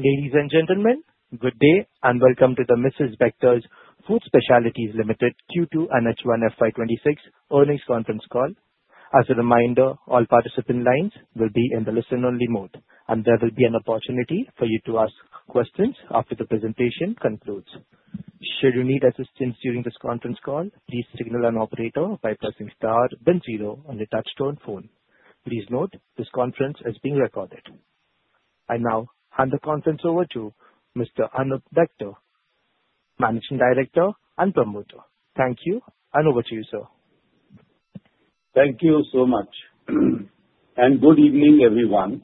Ladies and gentlemen, good day and welcome to the Mrs. Bectors Food Specialities Ltd Q2 and H1 FY26 earnings conference call. As a reminder, all participant lines will be in the listen-only mode, and there will be an opportunity for you to ask questions after the presentation concludes. Should you need assistance during this conference call, please signal an operator by pressing star then zero on the touch-tone phone. Please note this conference is being recorded. I now hand the conference over to Mr. Anoop Bector, Managing Director and Promoter. Thank you, and over to you, sir. Thank you so much, and good evening, everyone.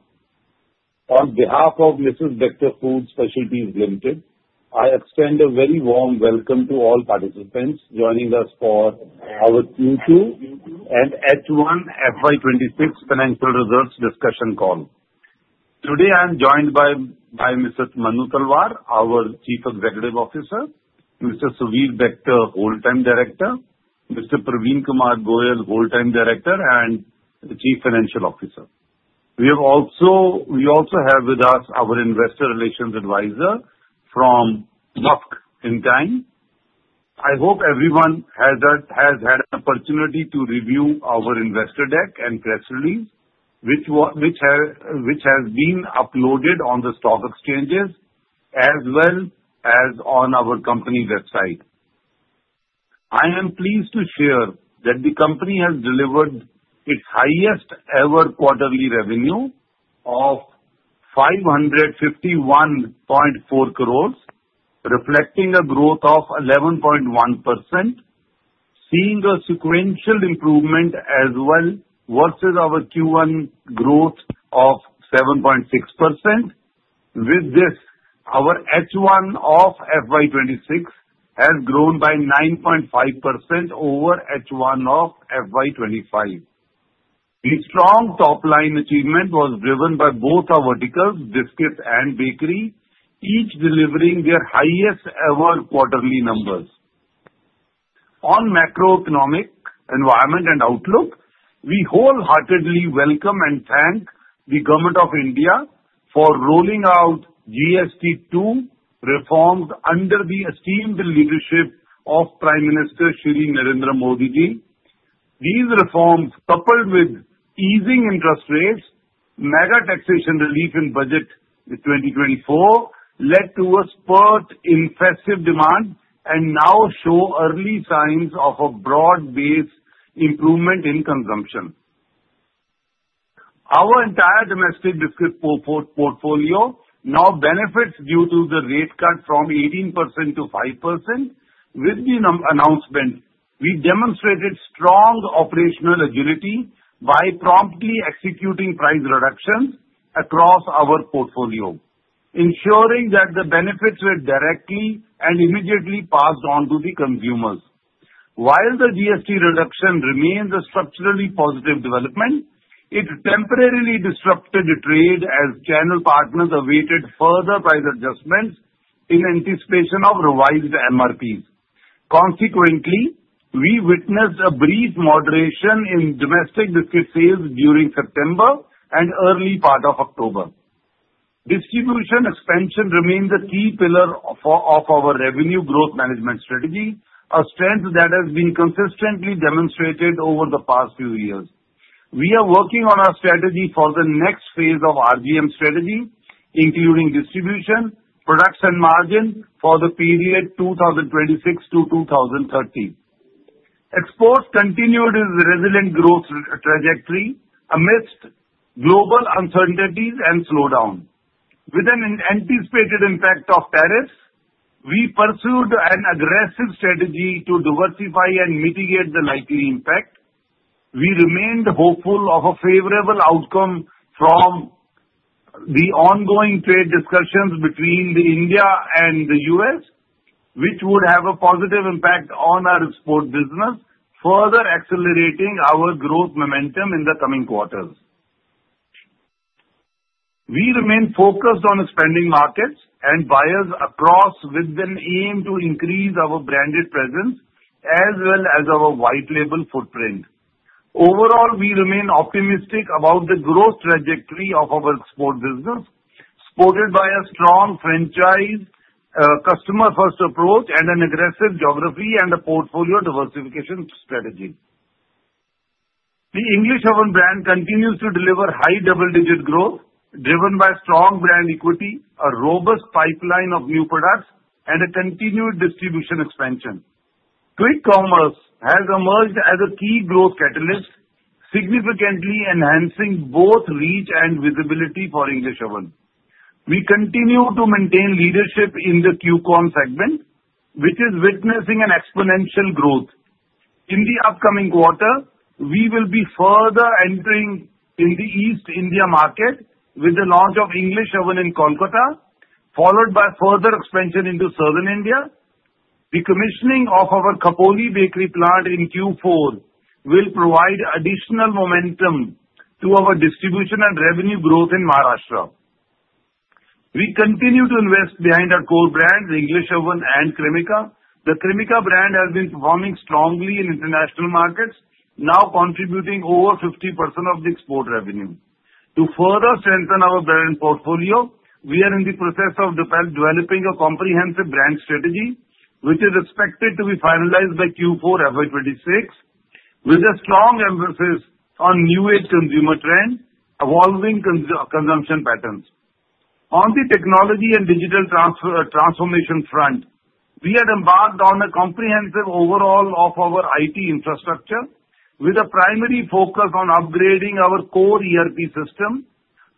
On behalf of Mrs. Bectors Food Specialities Ltd, I extend a very warm welcome to all participants joining us for our Q2 and H1 FY26 financial results discussion call. Today, I'm joined by Manu Talwar, our Chief Executive Officer, Suvir Bector, Whole Time Director, Parveen Kumar Goel, Whole Time Director and Chief Financial Officer. We also have with us our Investor Relations Advisor from Orient Capital. I hope everyone has had an opportunity to review our investor deck and press release, which has been uploaded on the stock exchanges as well as on our company website. I am pleased to share that the company has delivered its highest-ever quarterly revenue of 551.4 crores, reflecting a growth of 11.1%, seeing a sequential improvement as well versus our Q1 growth of 7.6%. With this, our H1 of FY26 has grown by 9.5% over H1 of FY25. The strong top-line achievement was driven by both our verticals, Biscuits and bakery, each delivering their highest-ever quarterly numbers. On macroeconomic environment and outlook, we wholeheartedly welcome and thank the Government of India for rolling out GST 2.0 reforms under the esteemed leadership of Prime Minister Shri Narendra Modi ji. These reforms, coupled with easing interest rates, mega taxation relief in Budget 2024, led to a spurt in festive demand and now show early signs of a broad-based improvement in consumption. Our entire Domestic Biscuit portfolio now benefits due to the rate cut from 18% to 5%. With the announcement, we demonstrated strong operational agility by promptly executing price reductions across our portfolio, ensuring that the benefits were directly and immediately passed on to the consumers. While the GST reduction remains a structurally positive development, it temporarily disrupted trade as channel partners awaited further price adjustments in anticipation of revised MRPs. Consequently, we witnessed a brief moderation in Domestic Biscuit sales during September and early part of October. Distribution expansion remains a key pillar of our revenue growth management strategy, a strength that has been consistently demonstrated over the past few years. We are working on our strategy for the next phase of RGM strategy, including distribution, products, and margin for the period 2026 to 2030. Exports continued its resilient growth trajectory amidst global uncertainties and slowdown. With an anticipated impact of tariffs, we pursued an aggressive strategy to diversify and mitigate the likely impact. We remained hopeful of a favorable outcome from the ongoing trade discussions between India and the U.S., which would have a positive impact on our export business, further accelerating our growth momentum in the coming quarters. We remain focused on expanding markets and buyers across with an aim to increase our branded presence as well as our white-label footprint. Overall, we remain optimistic about the growth trajectory of our export business, supported by a strong franchise customer-first approach and an aggressive geography and a portfolio diversification strategy. The English Oven brand continues to deliver high double-digit growth driven by strong brand equity, a robust pipeline of new products, and a continued distribution expansion. Quick commerce has emerged as a key growth catalyst, significantly enhancing both reach and visibility for English Oven. We continue to maintain leadership in the QCOM segment, which is witnessing an exponential growth. In the upcoming quarter, we will be further entering the East India market with the launch of English Oven in Kolkata, followed by further expansion into South India. The commissioning of our Khopoli Bakery plant in Q4 will provide additional momentum to our distribution and revenue growth in Maharashtra. We continue to invest behind our core brands, English Oven and Cremica. The Cremica brand has been performing strongly in international markets, now contributing over 50% of the export revenue. To further strengthen our brand portfolio, we are in the process of developing a comprehensive brand strategy, which is expected to be finalized by Q4 FY26, with a strong emphasis on new age consumer trends, evolving consumption patterns. On the technology and digital transformation front, we have embarked on a comprehensive overhaul of our IT infrastructure with a primary focus on upgrading our core ERP system.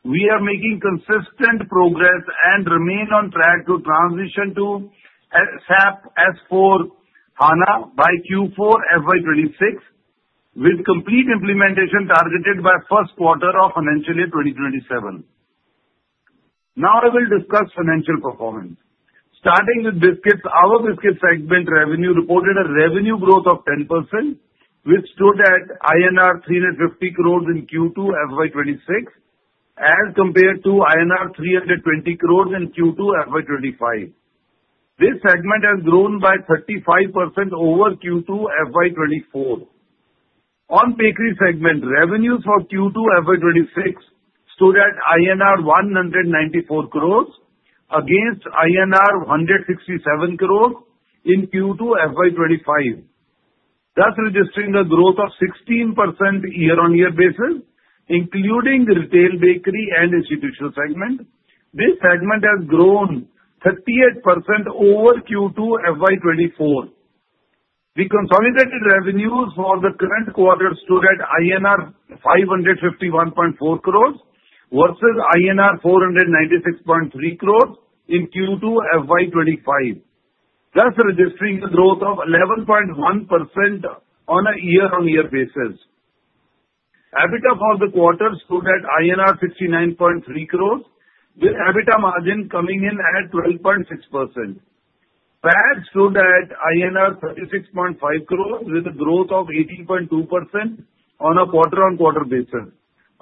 We are making consistent progress and remain on track to transition to SAP S/4HANA by Q4 FY26, with complete implementation targeted by first quarter of financial year 2027. Now, I will discuss financial performance. Starting with Biscuits, our Biscuit segment revenue reported a revenue growth of 10%, which stood at INR 350 crores in Q2 FY26 as compared to INR 320 crores in Q2 FY25. This segment has grown by 35% over Q2 FY24. On bakery segment, revenues for Q2 FY26 stood at INR 194 crores against INR 167 crores in Q2 FY25, thus registering a growth of 16% year-on-year basis, including retail bakery and institutional segment. This segment has grown 38% over Q2 FY24. The consolidated revenues for the current quarter stood at INR 551.4 crores versus INR 496.3 crores in Q2 FY25, thus registering a growth of 11.1% on a year-on-year basis. EBITDA for the quarter stood at INR 69.3 crores, with EBITDA margin coming in at 12.6%. PAT stood at INR 36.5 crores, with a growth of 18.2% on a quarter-on-quarter basis.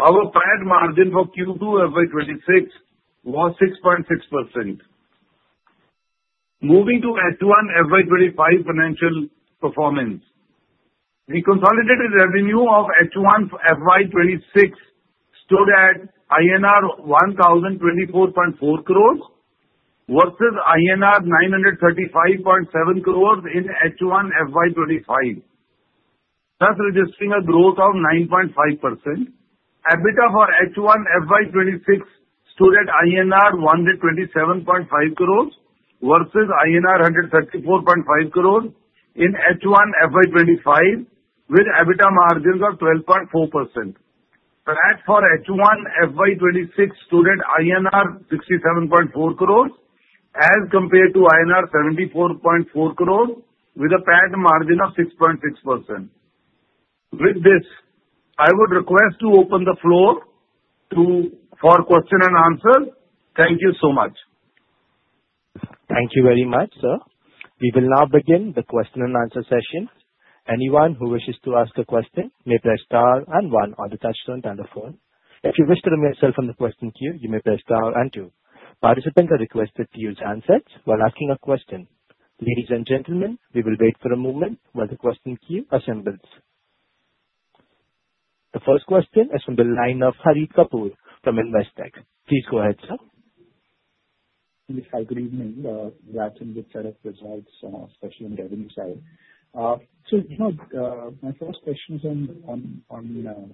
Our PAT margin for Q2 FY26 was 6.6%. Moving to H1 FY26 financial performance, the consolidated revenue of H1 FY26 stood at INR 1,024.4 crores versus INR 935.7 crores in H1 FY25, thus registering a growth of 9.5%. EBITDA for H1 FY26 stood at INR 127.5 crores versus INR 134.5 crores in H1 FY25, with EBITDA margins of 12.4%. PAT for H1 FY26 stood at INR 67.4 crores as compared to INR 74.4 crores, with a PAT margin of 6.6%. With this, I would request to open the floor for question and answer. Thank you so much. Thank you very much, sir. We will now begin the question and answer session. Anyone who wishes to ask a question may press star and one on the touch-tone telephone. If you wish to remain silent on the question queue, you may press star and two. Participants are requested to use handsets while asking a question. Ladies and gentlemen, we will wait for a moment while the question queue assembles. The first question is from the line of Harit Kapoor from Investec. Please go ahead, sir. Hi, good evening. Reaction with the results, especially on the revenue side. So my first question is on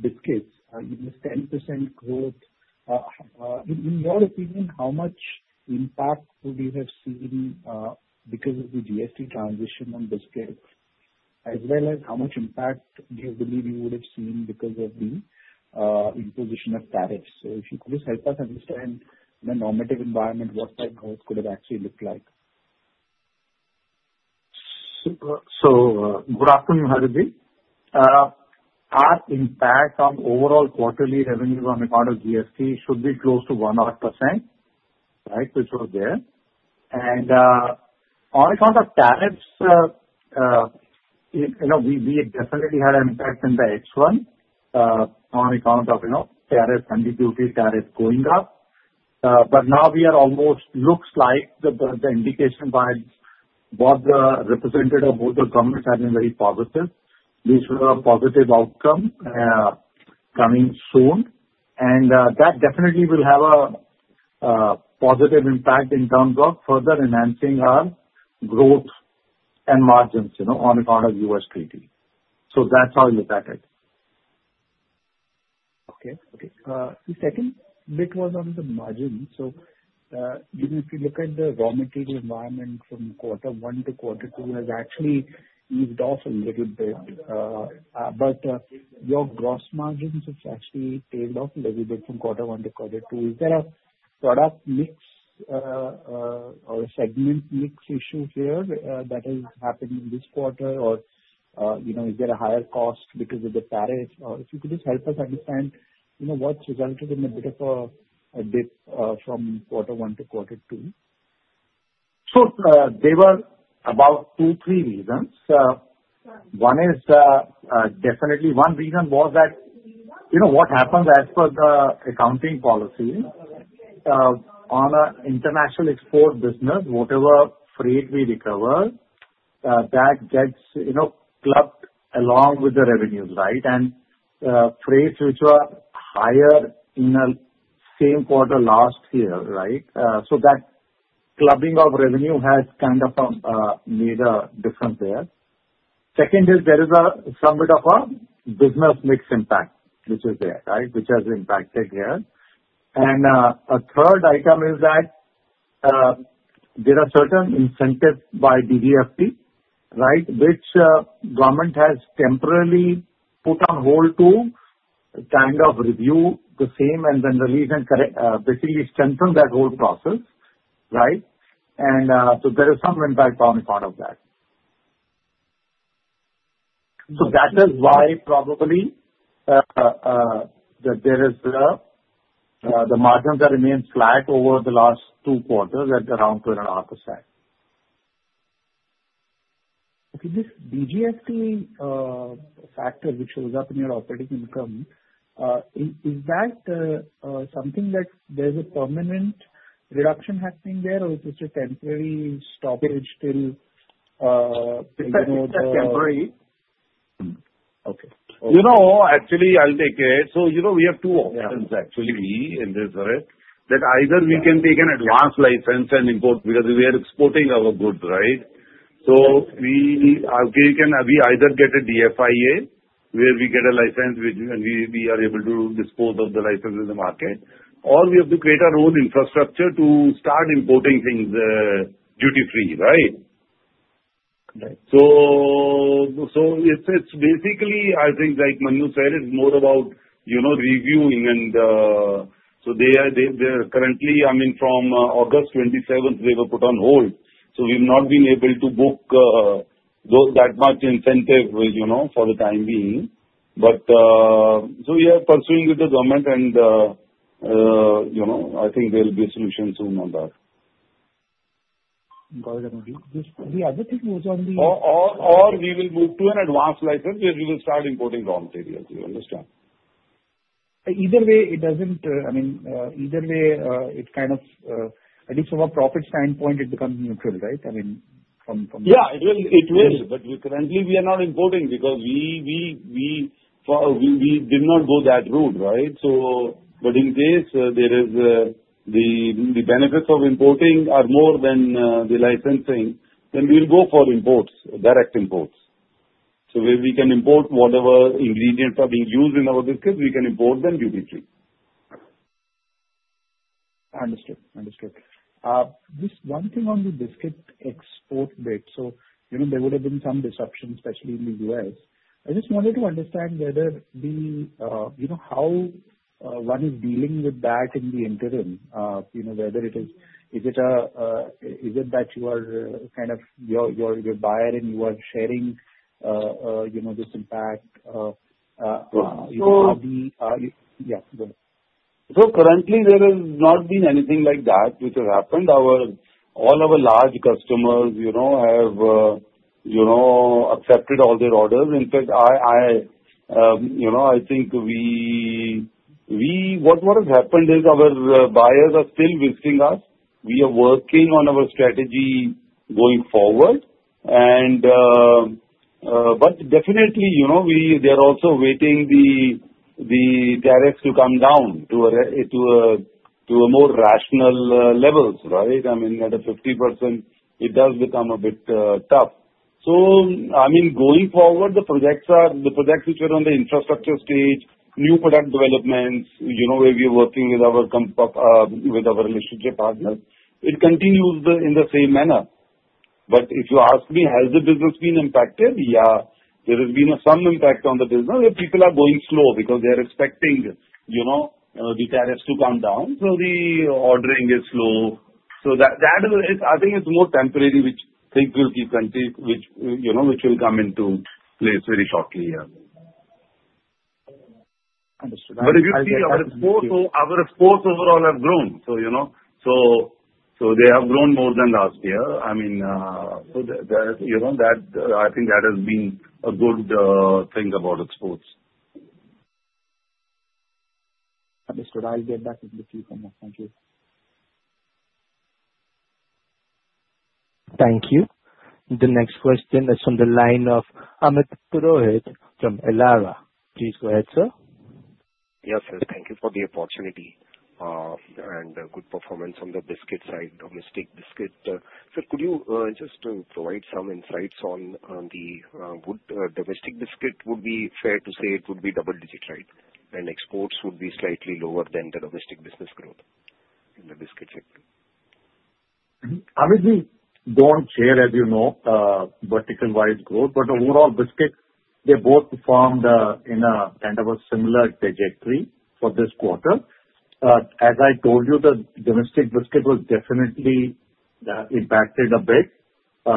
Biscuits. In the 10% growth, in your opinion, how much impact would you have seen because of the GST transition on Biscuits, as well as how much impact do you believe you would have seen because of the imposition of tariffs? So if you could just help us understand the normative environment, what that growth could have actually looked like. Good afternoon, Harit. Our impact on overall quarterly revenues on account of GST should be close to 1%, right, which was there. And on account of tariffs, we definitely had an impact in the H1 on account of tariff ambiguity, tariff going up. But now we are almost looks like the indication by what the representative of both the governments have been very positive. This was a positive outcome coming soon, and that definitely will have a positive impact in terms of further enhancing our growth and margins on account of US treaty. So that's how I look at it. Okay. A second bit was on the margins. So if you look at the raw material environment from quarter one to quarter two, it has actually eased off a little bit. But your gross margins have actually tailed off a little bit from quarter one to quarter two. Is there a product mix or a segment mix issue here that has happened in this quarter, or is there a higher cost because of the tariffs? Or if you could just help us understand what's resulted in a bit of a dip from quarter one to quarter two. So there were about two, three reasons. One is definitely one reason was that what happens as per the accounting policy on an international export business, whatever freight we recover, that gets clubbed along with the revenues, right? And freight, which were higher in the same quarter last year, right? So that clubbing of revenue has kind of made a difference there. Second is there is a somewhat of a business mix impact, which is there, right, which has impacted here. And a third item is that there are certain incentives by DGFT, right, which government has temporarily put on hold to kind of review the same and then release and basically strengthen that whole process, right? And so there is some impact on account of that. So that is why probably that there is the margins that remain flat over the last two quarters at around 2.5%. Okay. This DGFT factor, which shows up in your operating income, is that something that there's a permanent reduction happening there, or is this a temporary stoppage till the? It's temporary. Okay. Actually, I'll take it. So we have two options, actually, in this that either we can take an advanced license and import because we are exporting our goods, right? So we either get a DFIA where we get a license, which we are able to dispose of the license in the market, or we have to create our own infrastructure to start importing things duty-free, right? So it's basically, I think, like Manu said, it's more about reviewing. And so they are currently, I mean, from August 27th, they were put on hold. So we've not been able to book that much incentive for the time being. But so we are pursuing with the government, and I think there will be a solution soon on that. The other thing was on the. Or we will move to an advanced license where we will start importing raw materials, you understand? Either way, it doesn't, I mean, either way, it kind of, at least from a profit standpoint, it becomes neutral, right? I mean, from... Yeah, it will. But currently, we are not importing because we did not go that route, right? But in case there is the benefits of importing are more than the licensing, then we'll go for imports, direct imports. So where we can import whatever ingredients are being used in our Biscuits, we can import them duty-free. Understood. Understood. Just one thing on the Biscuit export bit. So there would have been some disruption, especially in the US. I just wanted to understand whether how one is dealing with that in the interim, whether it is it that you are kind of, you're the buyer and you are sharing this impact of the, yeah, go ahead. So currently, there has not been anything like that, which has happened. All our large customers have accepted all their orders. In fact, I think what has happened is our buyers are still visiting us. We are working on our strategy going forward. But definitely, they are also waiting the tariffs to come down to a more rational level, right? I mean, at a 50%, it does become a bit tough. So I mean, going forward, the projects which are on the infrastructure stage, new product developments where we are working with our relationship partners, it continues in the same manner. But if you ask me, has the business been impacted? Yeah. There has been some impact on the business. People are going slow because they are expecting the tariffs to come down, so the ordering is slow. So, I think it's more temporary, which things will be, which will come into place very shortly. Understood. But if you see our exports overall have grown. So they have grown more than last year. I mean, so I think that has been a good thing about exports. Understood. I'll get back with the queue for more. Thank you. Thank you. The next question is from the line of Amit Purohit from Elara. Please go ahead, sir. Yes, sir. Thank you for the opportunity and good performance on the Biscuit side, Domestic Biscuit. Sir, could you just provide some insights on the good Domestic Biscuit? Would it be fair to say it would be double-digit rate and exports would be slightly lower than the domestic business growth in the Biscuit sector? I mean, we don't share, as you know, vertical-wise growth, but overall, Biscuits, they both performed in a kind of a similar trajectory for this quarter. As I told you, the Domestic Biscuit was definitely impacted a bit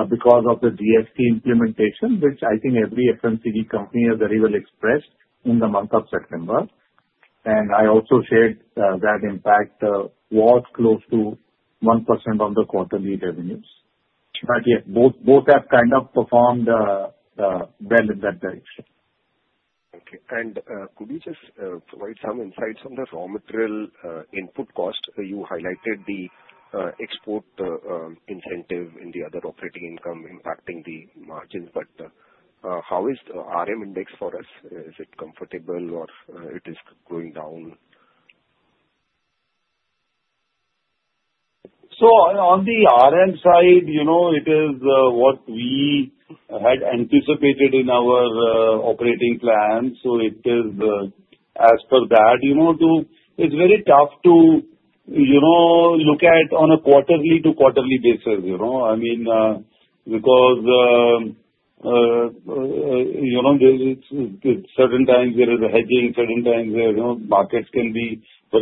because of the DFIA implementation, which I think every FMCG company has very well expressed in the month of September. And I also shared that impact was close to 1% of the quarterly revenues. But yes, both have kind of performed well in that direction. Thank you. Could you just provide some insights on the raw material input cost? You highlighted the export incentive in the other operating income impacting the margins, but how is the RM index for us? Is it comfortable or it is going down? So on the RM side, it is what we had anticipated in our operating plan. So it is, as per that, it's very tough to look at on a quarterly to quarterly basis, I mean, because there is certain times there is a hedging, certain times markets can be. But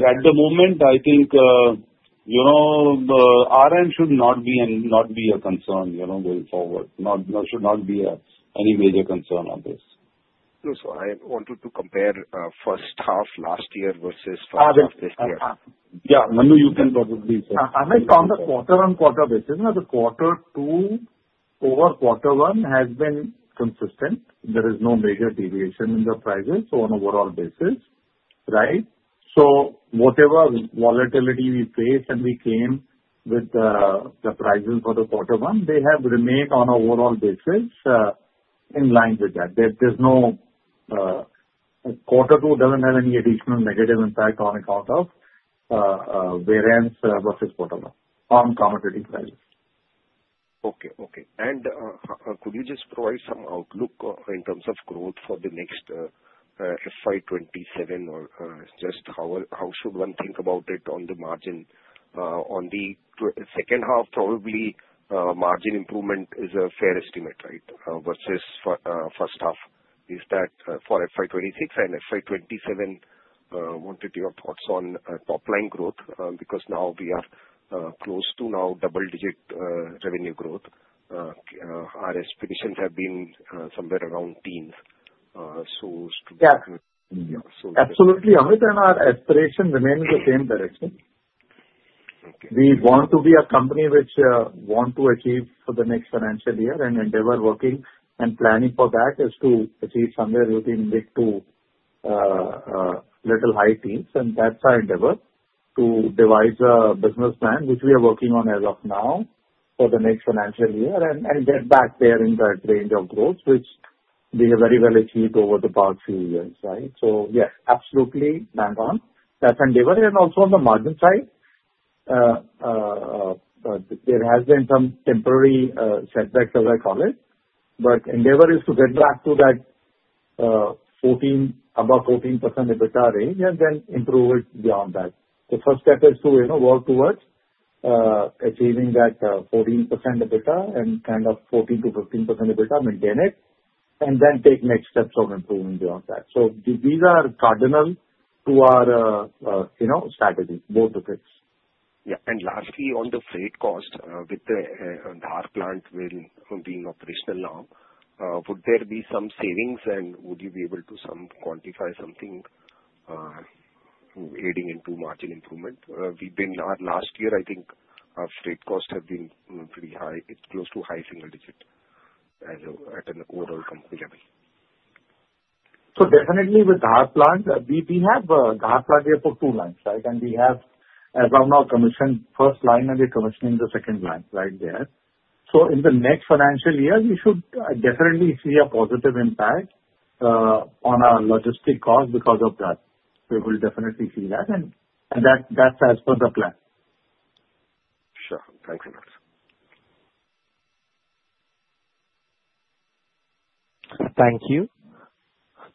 at the moment, I think RM should not be a concern going forward. It should not be any major concern on this. I wanted to compare first half last year versus first half this year. Yeah. Manu, you can probably. I meant, on the quarter-on-quarter basis, the quarter two over quarter one has been consistent. There is no major deviation in the prices on an overall basis, right? So whatever volatility we faced and we came with the prices for the quarter one, they have remained on an overall basis in line with that. There's no, quarter two doesn't have any additional negative impact on account of variance versus quarter one on commodity prices. Okay. Okay. And could you just provide some outlook in terms of growth for the next FY27 or just how should one think about it on the margin? On the second half, probably margin improvement is a fair estimate, right, versus first half. Is that for FY26 and FY27? I wanted your thoughts on top-line growth because now we are close to double-digit revenue growth. Our expectations have been somewhere around teens. So to be honest. Yeah. Absolutely. Amit, our aspiration remains the same direction. We want to be a company which wants to achieve for the next financial year, and the endeavor, working and planning for that, is to achieve somewhere between big to little high teens, and that's our endeavor to devise a business plan, which we are working on as of now for the next financial year and get back there in that range of growth, which we have very well achieved over the past few years, right? Yeah, absolutely bang on. That's endeavor. Also on the margin side, there has been some temporary setbacks, as I call it, but endeavor is to get back to that above 14% EBITDA range and then improve it beyond that. The first step is to work towards achieving that 14% EBITDA and kind of 14%-15% EBITDA, maintain it, and then take next steps of improving beyond that. So these are cardinal to our strategy, both of it. Yeah. And lastly, on the freight cost, with the Dhar plant being operational now, would there be some savings, and would you be able to quantify something aiding into margin improvement? Last year, I think freight costs have been pretty high, close to high single-digit at an overall company level. So definitely with Dhar plant, we have Dhar plant here for two lines, right? And we have, as of now, commissioned first line and we're commissioning the second line right there. So in the next financial year, we should definitely see a positive impact on our logistic cost because of that. We will definitely see that. And that's as per the plan. Sure. Thanks a lot. Thank you.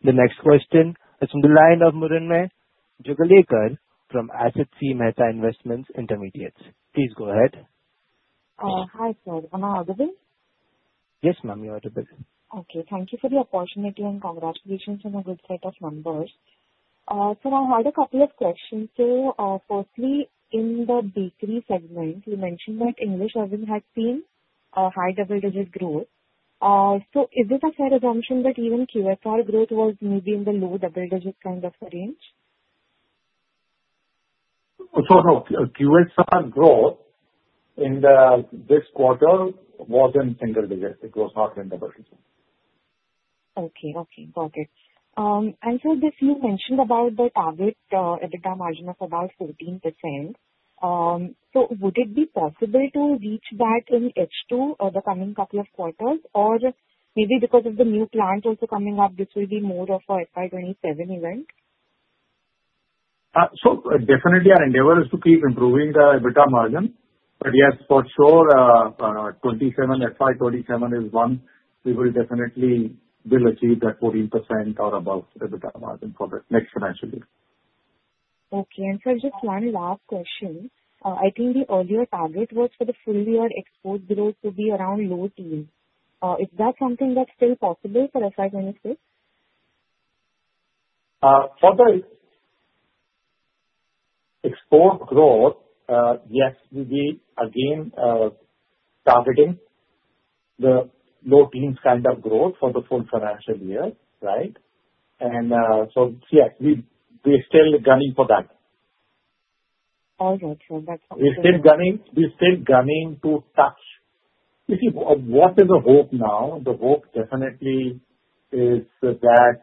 The next question is from the line of Mrunmayee Jogalekar from Asit C. Mehta Investment Intermediates. Please go ahead. Hi, sir. Am I audible? Yes, ma'am, you're audible. Okay. Thank you for the opportunity and congratulations on a good set of numbers. So I had a couple of questions. So firstly, in the bakery segment, you mentioned that English Oven had seen a high double-digit growth. So is it a fair assumption that even QSR growth was maybe in the low double-digit kind of range? So, no. QSR growth in this quarter was in single digit. It was not in double digit. Okay. Okay. Got it. And so you mentioned about the target EBITDA margin of about 14%. So would it be possible to reach that in H2 or the coming couple of quarters? Or maybe because of the new plant also coming up, this will be more of a FY27 event? So definitely, our endeavor is to keep improving the EBITDA margin. But yes, for sure, FY27 is one we will definitely achieve that 14% or above EBITDA margin for the next financial year. Okay. And so just one last question. I think the earlier target was for the full-year export growth to be around low teens. Is that something that's still possible for FY26? For the export growth, yes, we'll be again targeting the low teens kind of growth for the full financial year, right? And so yes, we're still gunning for that. All right, so that's something. We're still gunning to touch. You see, what is the hope now? The hope definitely is that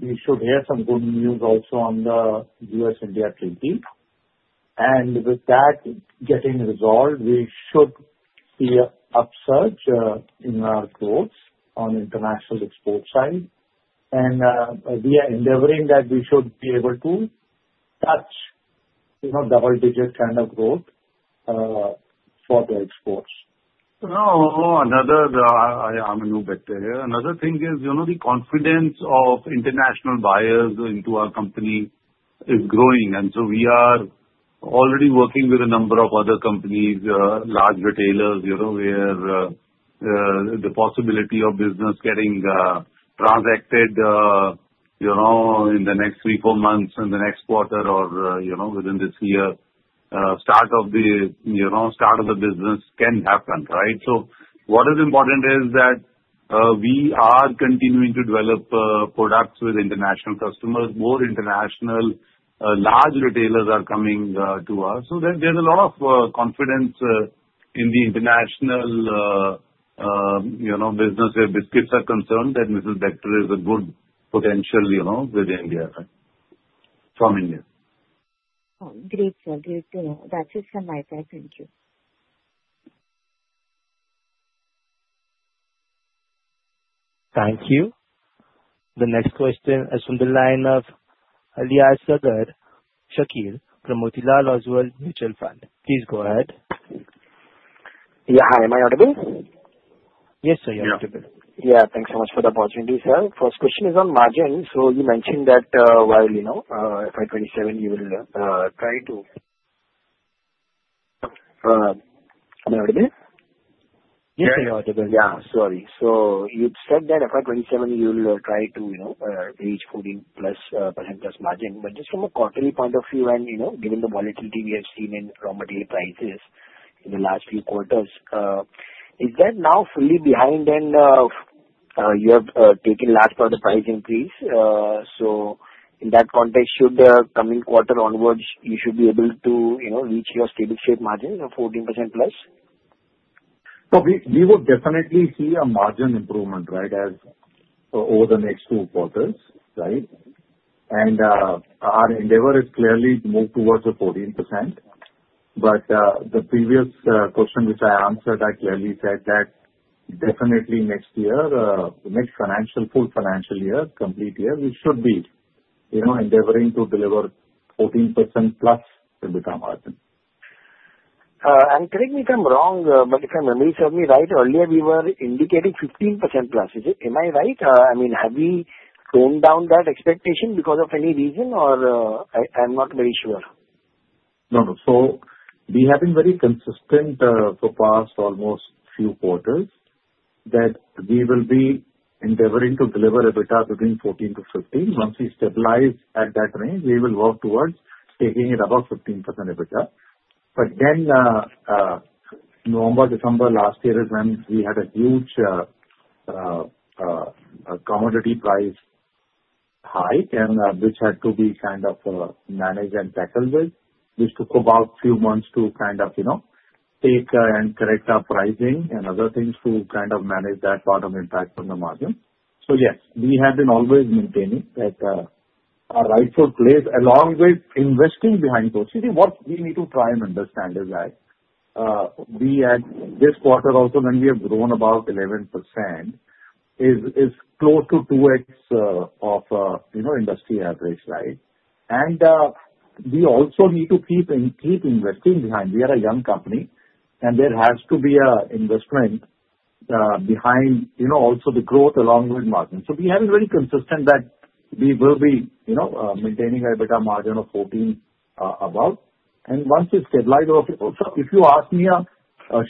we should hear some good news also on the U.S.-India treaty. With that getting resolved, we should see an upsurge in our growth on the international export side. We are endeavoring that we should be able to touch double-digit kind of growth for the exports. Another thing is the confidence of international buyers into our company is growing. So we are already working with a number of other companies, large retailers, where the possibility of business getting transacted in the next three, four months, in the next quarter, or within this year, start of the business can happen, right? What is important is that we are continuing to develop products with international customers. More international large retailers are coming to us. So there's a lot of confidence in the international business where Biscuits are concerned that Mr. Bector is a good potential with India from India. Great. Great. That's it from my side. Thank you. Thank you. The next question is from the line of Aliasgar Shakir from Motilal Oswal Mutual Fund. Please go ahead. Yeah. Hi. Am I audible? Yes, sir. You're audible. Yeah. Thanks so much for the opportunity, sir. First question is on margin. So you mentioned that while FY27, you will try to—am I audible? Yes, sir. You're audible. Yeah. Sorry. So you said that FY27, you'll try to reach 14-plus% plus margin. But just from a quarterly point of view, and given the volatility we have seen in raw material prices in the last few quarters, is that now fully behind? And you have taken last part of the price increase. So in that context, should the coming quarter onwards, you should be able to reach your stable-shaped margin of 14% plus? We will definitely see a margin improvement, right, over the next two quarters, right? Our endeavor is clearly to move towards the 14%. But the previous question which I answered, I clearly said that definitely next year, the next financial, full financial year, complete year, we should be endeavoring to deliver 14% plus EBITDA margin. Correct me if I'm wrong, but if I'm remembering something right, earlier we were indicating 15% plus. Am I right? I mean, have we toned down that expectation because of any reason, or I'm not very sure? No. So we have been very consistent for past almost few quarters that we will be endeavoring to deliver EBITDA between 14% to 15%. Once we stabilize at that range, we will work towards taking it above 15% EBITDA. But then November, December last year is when we had a huge commodity price hike, which had to be kind of managed and tackled with, which took about a few months to kind of take and correct our pricing and other things to kind of manage that part of impact on the margin. So yes, we have been always maintaining that our rightful place along with investing behind those. You see, what we need to try and understand is that this quarter also, when we have grown about 11%, is close to 2X of industry average, right? And we also need to keep investing behind. We are a young company, and there has to be an investment behind also the growth along with margin. So we have been very consistent that we will be maintaining our EBITDA margin of 14% above. And once we stabilize, so if you ask me a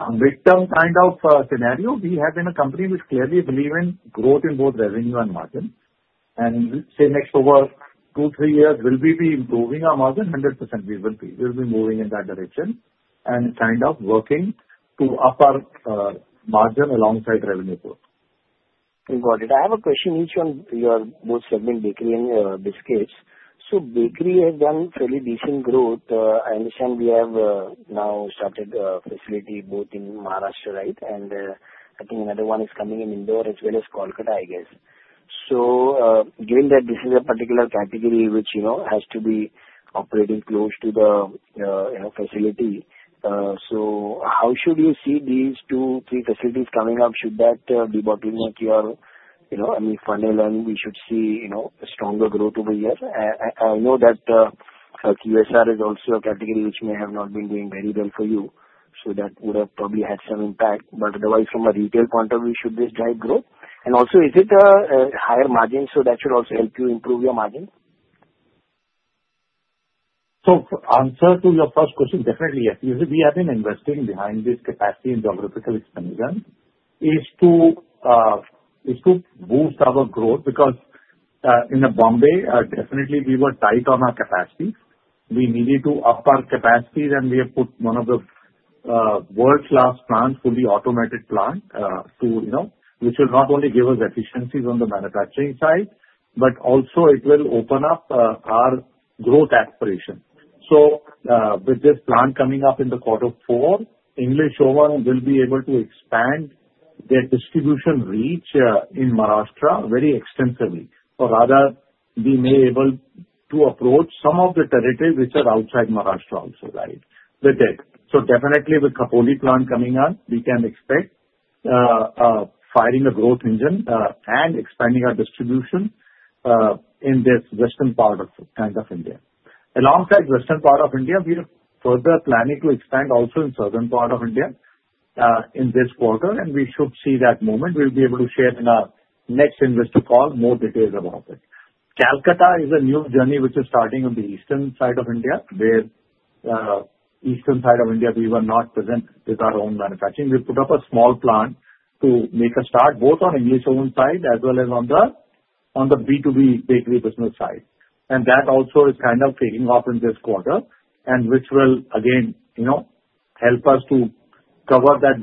midterm kind of scenario, we have been a company which clearly believes in growth in both revenue and margin. And say next over two, three years, will we be improving our margin? 100% we will be. We'll be moving in that direction and kind of working to up our margin alongside revenue growth. Got it. I have a question. Each one of your both segment, bakery and Biscuits. So bakery has done fairly decent growth. I understand we have now started a facility both in Maharashtra, right? And I think another one is coming in Indore as well as Kolkata, I guess. So given that this is a particular category which has to be operating close to the facility, so how should you see these two, three facilities coming up? Should that be bottleneck your fundamental and we should see stronger growth over the years? I know that QSR is also a category which may have not been doing very well for you. So that would have probably had some impact. But otherwise, from a retail point of view, should this drive growth? And also, is it a higher margin so that should also help you improve your margin? So, answer to your first question, definitely, yes. We have been investing behind this capacity and geographical expansion is to boost our growth because in Mumbai, definitely we were tight on our capacity. We needed to up our capacity, and we have put one of the world-class plants, fully automated plant, which will not only give us efficiencies on the manufacturing side, but also it will open up our growth aspiration. So with this plant coming up in the quarter four, English Oven will be able to expand their distribution reach in Maharashtra very extensively. Or rather, we may be able to approach some of the territories which are outside Maharashtra also, right? With that, so definitely with Khopoli plant coming up, we can expect firing a growth engine and expanding our distribution in this western part of India. Alongside the western part of India, we are further planning to expand also in the southern part of India in this quarter, and we should see that momentum. We'll be able to share in our next investor call more details about it. Kolkata is a new journey which is starting on the eastern side of India where, on the eastern side of India, we were not present with our own manufacturing. We put up a small plant to make a start both on the English Oven side as well as on the B2B bakery business side, and that also is kind of taking off in this quarter and which will, again, help us to cover that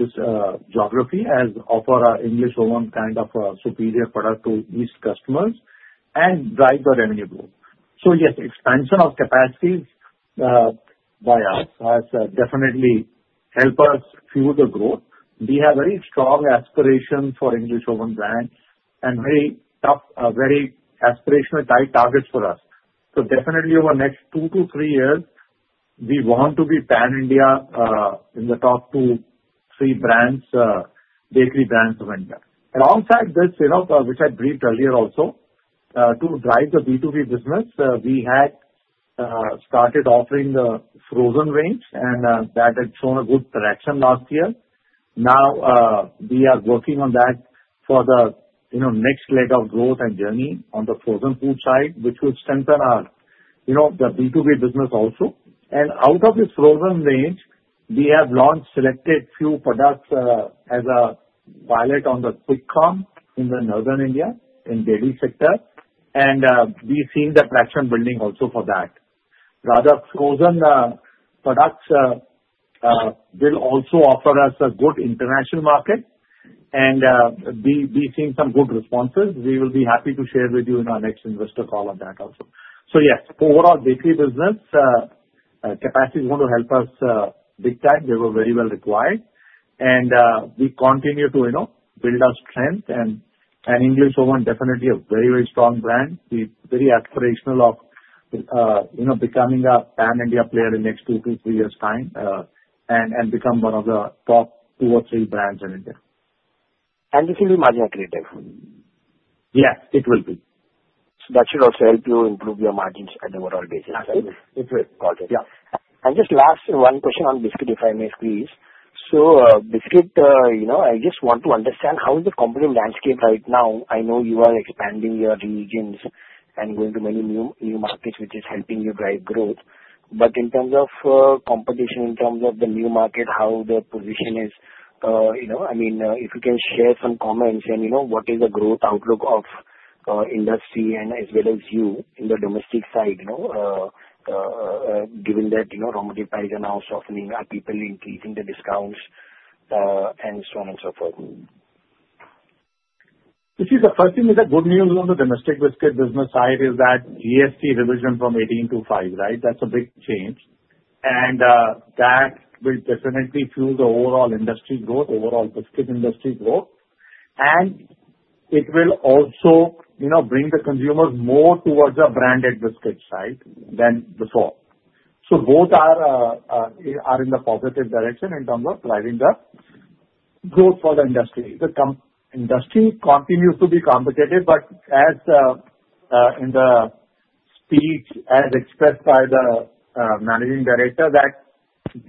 geography and offer our English Oven kind of superior product to these customers and drive the revenue growth, so yes, expansion of capacities by us has definitely helped us fuel the growth. We have very strong aspirations for English Oven brands and very tough, very aspirational, tight targets for us. So definitely over the next two to three years, we want to be pan-India in the top two, three bakery brands of India. Alongside this, which I briefed earlier also, to drive the B2B business, we had started offering the frozen range, and that had shown good traction last year. Now we are working on that for the next leg of growth and journey on the frozen food side, which will strengthen the B2B business also. Out of this frozen range, we have launched a selected few products as a pilot on quick commerce in northern India in the dairy sector. We have seen the traction building also for that. Rather, frozen products will also offer us a good international market, and we have seen some good responses. We will be happy to share with you in our next investor call on that also. So yes, overall bakery business capacity is going to help us big time. They were very well required. And we continue to build our strength. And English Oven is definitely a very, very strong brand. We're very aspirational of becoming a Pan India player in the next two to three years' time and become one of the top two or three brands in India. It will be marginally creative. Yes, it will be. So that should also help you improve your margins at an overall basis. It will. Got it. Yeah. And just last one question on Biscuit, if I may squeeze. So Biscuit, I just want to understand how is the competitive landscape right now? I know you are expanding your regions and going to many new markets, which is helping you drive growth. But in terms of competition, in terms of the new market, how the position is? I mean, if you can share some comments, and what is the growth outlook of industry and as well as you in the domestic side, given that raw material prices are now softening, are people increasing the discounts, and so on and so forth? You see, the first thing is the good news on the Domestic Biscuit business side is that GST revision from 18% to 5%, right? That's a big change, and that will definitely fuel the overall industry growth, overall Biscuit industry growth, and it will also bring the consumers more towards the branded Biscuit side than before, so both are in the positive direction in terms of driving the growth for the industry. The industry continues to be competitive, but as in the speech as expressed by the Managing Director, that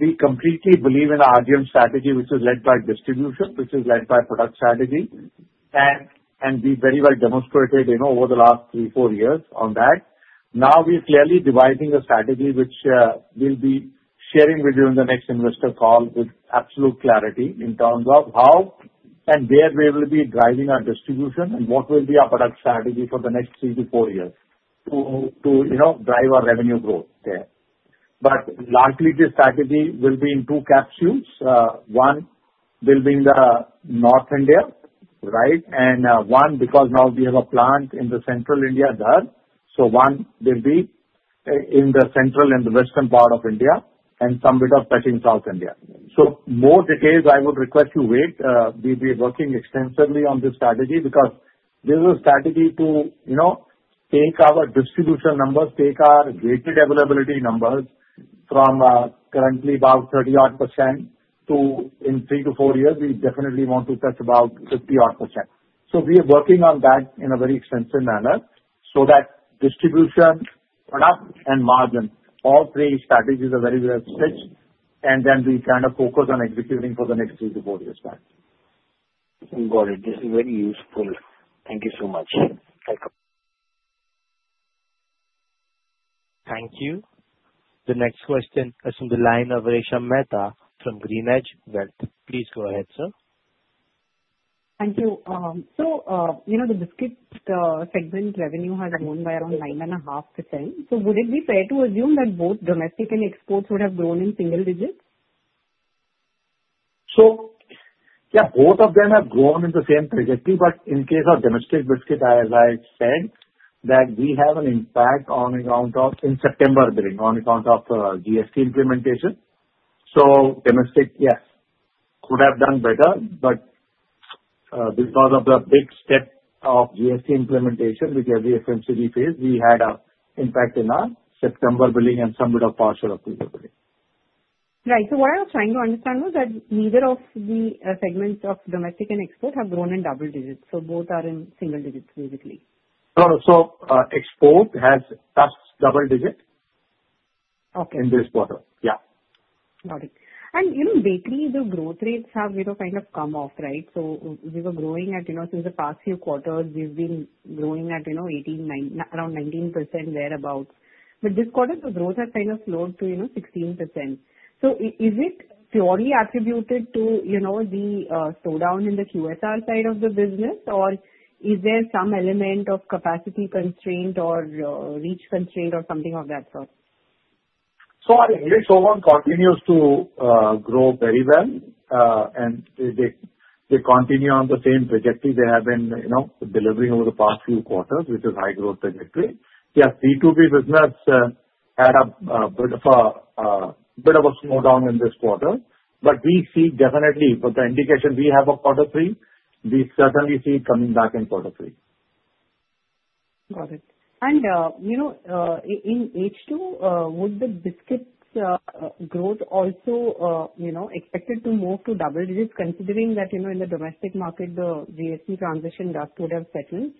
we completely believe in the RGM strategy, which is led by distribution, which is led by product strategy, and we very well demonstrated over the last three, four years on that. Now we're clearly devising a strategy which we'll be sharing with you in the next investor call with absolute clarity in terms of how and where we will be driving our distribution and what will be our product strategy for the next three to four years to drive our revenue growth there, but largely, this strategy will be in two capsules. One will be in the North India, right? And one because now we have a plant in the Central India there. So one will be in the central and the western part of India and some bit of touching South India, so more details, I would request you wait. We've been working extensively on this strategy because this is a strategy to take our distribution numbers, take our weighted availability numbers from currently about 30-odd% to in three to four years, we definitely want to touch about 50-odd%. So we are working on that in a very extensive manner so that distribution, product, and margin, all three strategies are very well stitched. And then we kind of focus on executing for the next three to four years' time. Got it. This is very useful. Thank you so much. Thank you. Thank you. The next question is from the line of Resha Mehta from GreenEdge Wealth. Please go ahead, sir. Thank you. So the Biscuit segment revenue has grown by around 9.5%. So would it be fair to assume that both domestic and exports would have grown in single digits? So yeah, both of them have grown in the same trajectory. But in case of Domestic Biscuit, as I said, that we have an impact on account of in September billing, on account of GST implementation. So domestic, yes, could have done better. But because of the big step of GST implementation, which every FMCG faces, we had an impact in our September billing and some bit of partial of the billing. Right. So what I was trying to understand was that neither of the segments of domestic and export have grown in double digits. So both are in single digits basically. Export has touched double digit in this quarter. Yeah. Got it. And bakery, the growth rates have kind of come off, right? So we were growing at since the past few quarters, we've been growing at around 19% thereabouts. But this quarter, the growth has kind of slowed to 16%. So is it purely attributed to the slowdown in the QSR side of the business, or is there some element of capacity constraint or reach constraint or something of that sort? So our English Oven continues to grow very well, and they continue on the same trajectory they have been delivering over the past few quarters, which is a high-growth trajectory. Yeah, B2B business had a bit of a slowdown in this quarter. But we see definitely with the indication we have of quarter three, we certainly see it coming back in quarter three. Got it. And in H2, would the Biscuit growth also expected to move to double digits, considering that in the domestic market, the GST transition dust would have settled?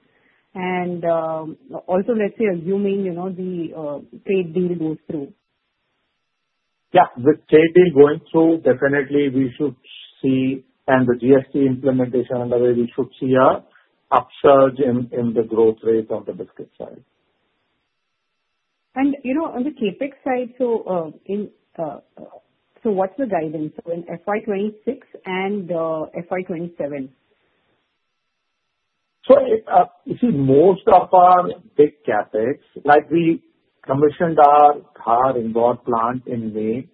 And also, let's say assuming the trade deal goes through. Yeah. With trade deal going through, definitely we should see, and the GST implementation underway, we should see an upsurge in the growth rate on the Biscuit side. On the CAPEX side, so what's the guidance? So in FY26 and FY27? You see, most of our big CAPEX, like we commissioned our Khopoli plant in May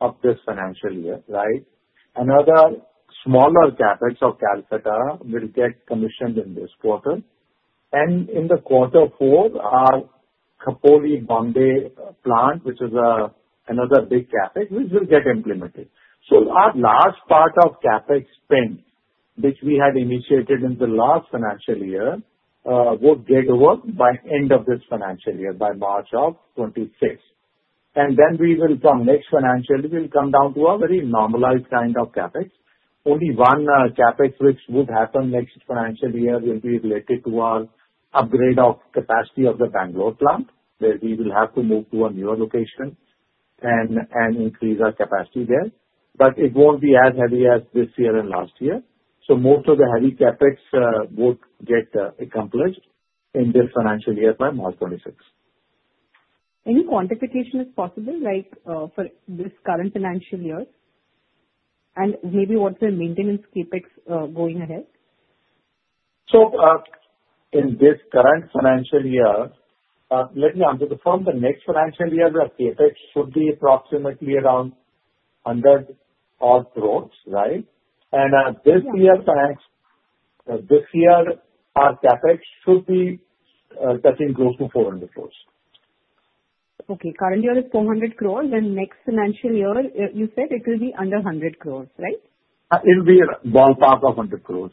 of this financial year, right? Another smaller CAPEX in Kolkata will get commissioned in this quarter. In quarter four, our Khopoli Mumbai plant, which is another big CAPEX, will get implemented. Our last part of CAPEX spend, which we had initiated in the last financial year, would get over by end of this financial year, by March of 2026. Then we will, from next financial year, come down to a very normalized kind of CAPEX. Only one CAPEX which would happen next financial year will be related to our upgrade of capacity of the Bengaluru plant, where we will have to move to a newer location and increase our capacity there. It won't be as heavy as this year and last year. Most of the heavy CAPEX would get accomplished in this financial year by March 2026. Any quantification is possible, like for this current financial year? And maybe what's the maintenance CAPEX going ahead? In this current financial year, let me answer the following. The next financial year where CapEx should be approximately around 100-odd crores, right? This year, our CapEx should be touching close to 400 crores. Okay. Current year, it's 400 crores, and next financial year, you said it will be under 100 crores, right? It will be ballpark of 100 crore.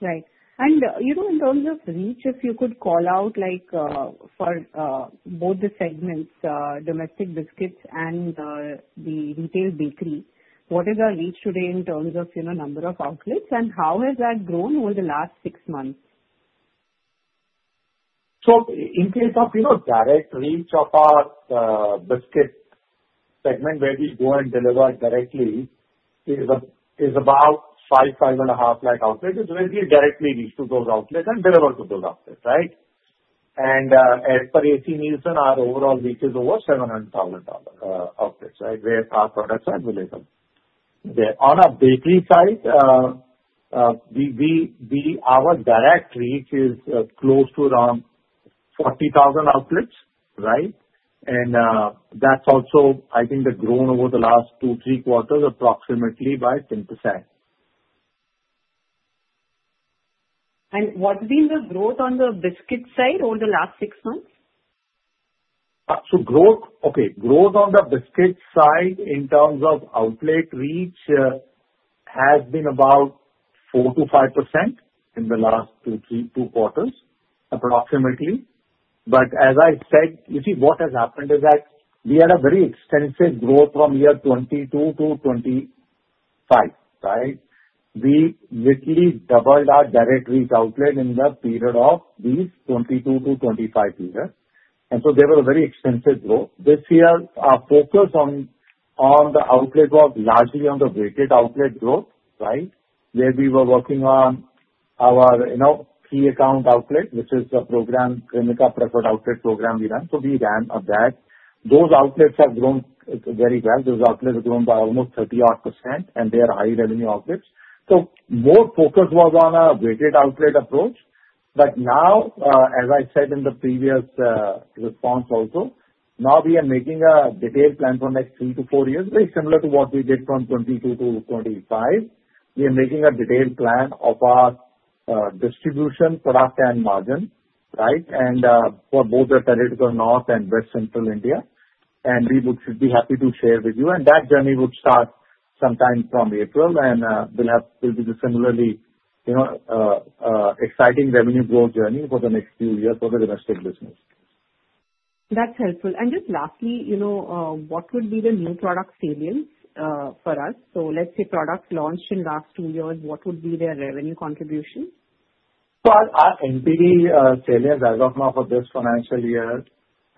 Right. And in terms of reach, if you could call out for both the segments, Domestic Biscuits and the retail bakery, what is our reach today in terms of number of outlets? And how has that grown over the last six months? In case of direct reach of our Biscuit segment, where we go and deliver directly, is about five, five and a half outlets. It's where we directly reach to those outlets and deliver to those outlets, right? As per AC Nielsen, our overall reach is over 700,000 outlets, right, where our products are available. On our bakery side, our direct reach is close to around 40,000 outlets, right? That's also, I think, grown over the last two, three quarters approximately by 10%. What's been the growth on the Biscuit side over the last six months? Growth, okay, growth on the Biscuit side in terms of outlet reach has been about 4-5% in the last two, three quarters approximately. But as I said, you see, what has happened is that we had a very extensive growth from year 2022 to 2025, right? We literally doubled our direct reach outlet in the period of these 2022 to 2025 years. And so there was a very extensive growth. This year, our focus on the outlet was largely on the weighted outlet growth, right? Where we were working on our key account outlet, which is the program, Premium Preferred Outlet program we run. So we ran on that. Those outlets have grown very well. Those outlets have grown by almost 30-odd%, and they are high-revenue outlets. So more focus was on a weighted outlet approach. Now, as I said in the previous response also, now we are making a detailed plan for next three to four years, very similar to what we did from 2022 to 2025. We are making a detailed plan of our distribution, product and margin, right? And for both the North and West Central India. And we should be happy to share with you. And that journey would start sometime from April, and we'll have similarly exciting revenue growth journey for the next few years for the domestic business. That's helpful. And just lastly, what would be the new product sales for us? So let's say products launched in the last two years, what would be their revenue contribution? So our NPD sales as of now for this financial year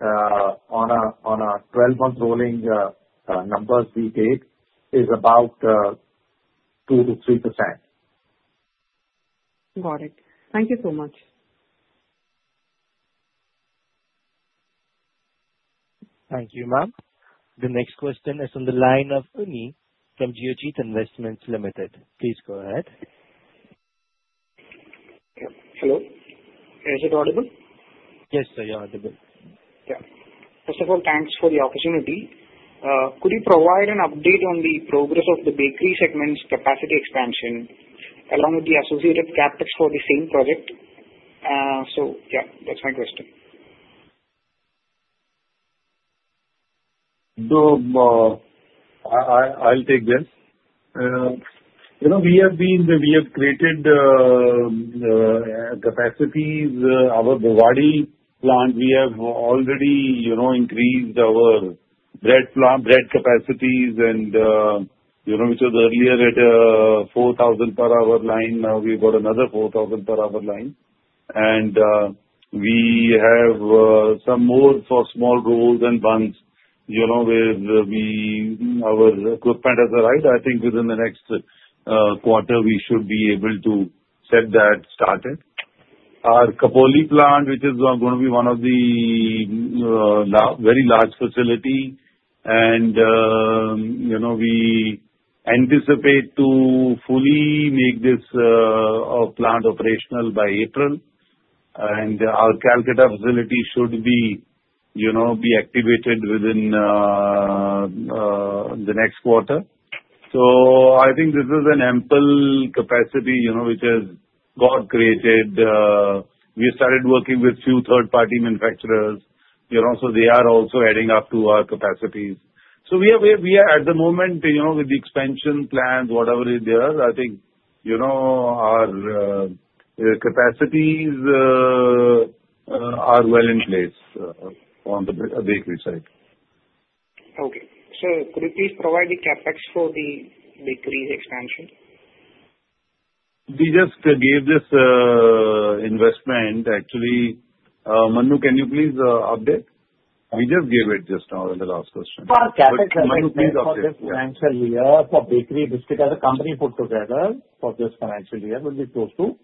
on our 12-month rolling numbers we gave is about 2%-3%. Got it. Thank you so much. Thank you, ma'am. The next question is on the line of Amit from Geojit Financial Services. Please go ahead. Hello. Is it audible? Yes, sir, you're audible. Yeah. First of all, thanks for the opportunity. Could you provide an update on the progress of the bakery segment's capacity expansion along with the associated CAPEX for the same project? So yeah, that's my question. I'll take this. We have created capacity. Our Bhiwadi plant, we have already increased our bread capacities, and which was earlier at a 4,000-per-hour line, now we've got another 4,000-per-hour line. And we have some more for small rolls and buns with our equipment already. I think within the next quarter, we should be able to get that started. Our Khopoli plant, which is going to be one of the very large facilities, and we anticipate to fully make this plant operational by April. And our Kolkata facility should be activated within the next quarter. So I think this is an ample capacity which has got created. We started working with a few third-party manufacturers. So they are also adding up to our capacities. So we are at the moment with the expansion plans, whatever it is. I think our capacities are well in place on the bakery side. Okay, so could you please provide the CAPEX for the bakery expansion? We just gave this investment. Actually, Manu, can you please update? We just gave it just now in the last question. For CAPEX investment for this financial year for bakery Biscuit as a company put together for this financial year will be close to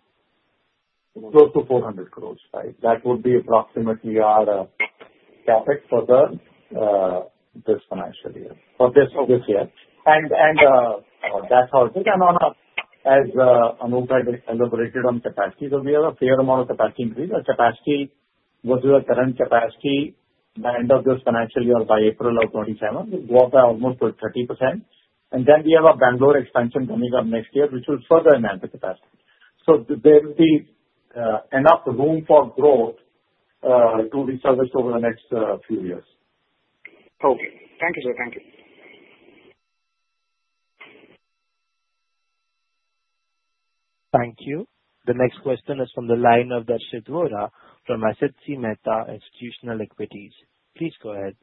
400 crores, right? That would be approximately our CAPEX for this financial year for this year. And that's how it is. And as Anup elaborated on capacity, so we have a fair amount of capacity increase. Our capacity versus our current capacity by end of this financial year by April of 2027 will go up by almost 30%. And then we have a Bengaluru expansion coming up next year, which will further enhance the capacity. So there will be enough room for growth to be serviced over the next few years. Okay. Thank you, sir. Thank you. Thank you. The next question is from the line of Darshit Vora from Asit C. Mehta Institutional Equities. Please go ahead.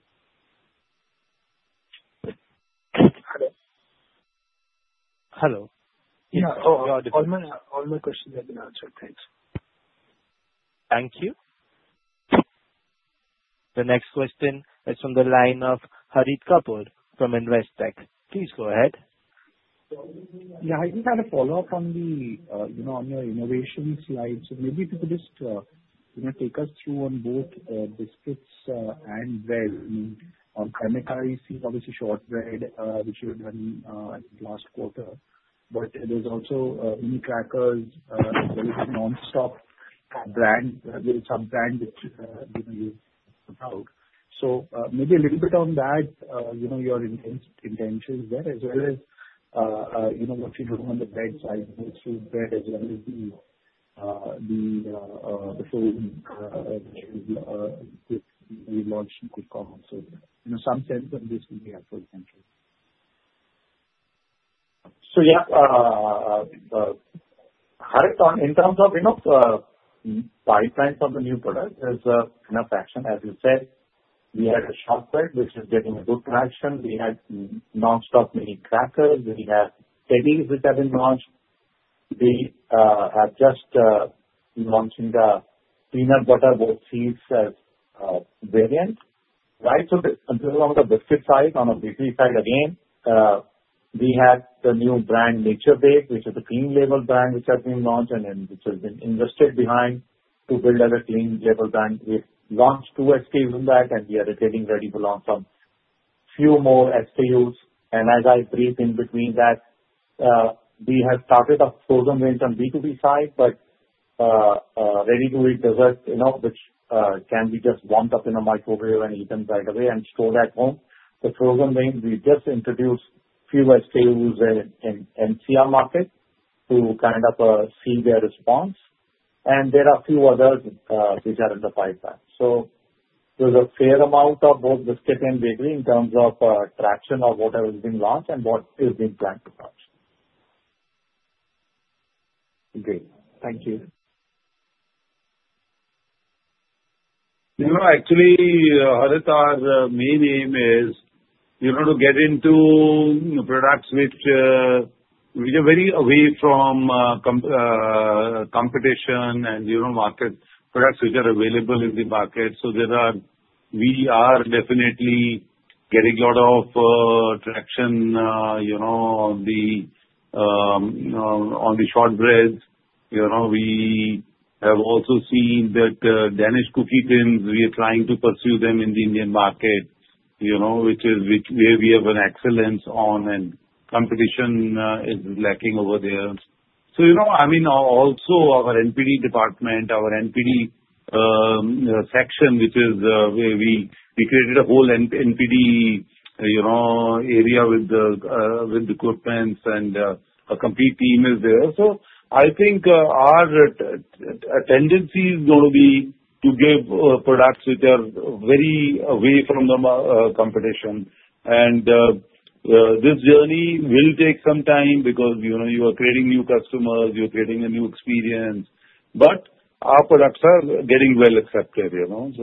Hello. Yeah. All my questions have been answered. Thanks. Thank you. The next question is from the line of Harit Kapoor from Investec. Please go ahead. Yeah. I just had a follow-up on your innovation slide. So maybe if you could just take us through on both Biscuits and bread. On premium, obviously shortbread, which you had done last quarter. But there's also mini crackers, a very Non-Stop brand, a sub-brand which you put out. So maybe a little bit on that, your intentions there, as well as what you're doing on the bread side, both for bread as well as the food which we launched in QCOM. So in some sense, this will be helpful, thank you. So yeah, Harit, in terms of pipeline for the new product, there's enough action. As you said, we had a shortbread which is getting good traction. We had Non-Stop mini crackers. We have Teddies which have been launched. We are just launching the peanut butter oat seeds as a variant, right? So along the Biscuit side, on the bakery side, again, we had the new brand NaturBaked, which is a clean label brand which has been launched and which has been invested behind to build as a clean label brand. We've launched two SKUs in that, and we are getting ready to launch some few more SKUs. And as I briefed in between that, we have started a frozen range on B2B side, but ready-to-eat dessert which can be just warmed up in a microwave and eaten right away and stored at home. The frozen range, we just introduced a few SKUs in the NCR market to kind of see their response. And there are a few others which are in the pipeline. So there's a fair amount of both Biscuit and bakery in terms of traction of whatever is being launched and what is being planned to launch. Great. Thank you. Actually, Harit, our main aim is to get into products which are very away from competition and market products which are available in the market. So we are definitely getting a lot of traction on the shortbread. We have also seen that Danish cookie tins, we are trying to pursue them in the Indian market, which is where we have an edge on, and competition is lacking over there. So I mean, also our NPD department, our NPD section, which is where we created a whole NPD area with the equipment, and a complete team is there. So I think our tendency is going to be to give products which are very away from the competition. And this journey will take some time because you are creating new customers, you're creating a new experience. But our products are getting well accepted, and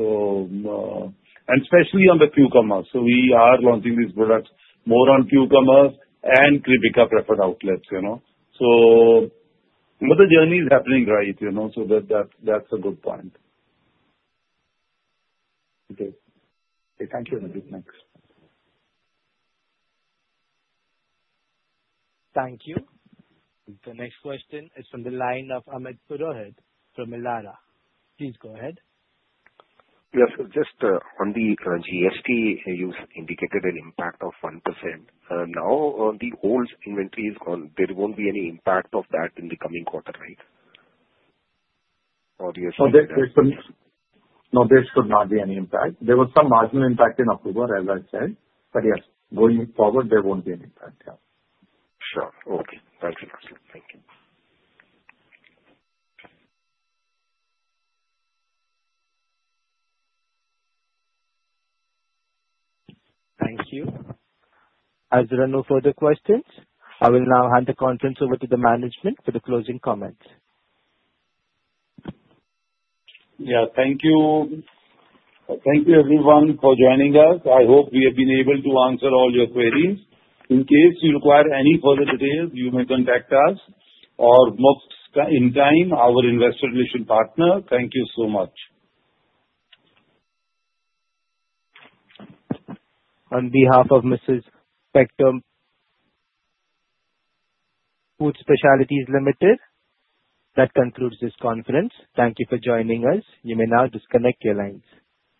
especially on the quick commerce. So we are launching these products more on quick commerce and premium preferred outlets. So the journey is happening right, so that's a good point. Okay. Thank you, Harit. Thanks. Thank you. The next question is from the line of Amit Purohit from Elara. Please go ahead. Yes, sir. Just on the GST, you indicated an impact of 1%. Now, the old inventory is gone. There won't be any impact of that in the coming quarter, right? Or you see that? No, there should not be any impact. There was some marginal impact in October, as I said. But yes, going forward, there won't be any impact, yeah. Sure. Okay. Thank you, sir. Thank you. Thank you. Are there any further questions? I will now hand the contents over to the management for the closing comments. Yeah. Thank you. Thank you, everyone, for joining us. I hope we have been able to answer all your queries. In case you require any further details, you may contact us. Or, most importantly, our investor relations partner. Thank you so much. On behalf of Mrs. Bectors Food Specialities Ltd, that concludes this conference. Thank you for joining us. You may now disconnect your lines.